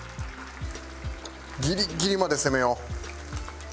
ギリギリまで攻めよう。